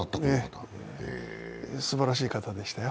すばらしい方でしたよ。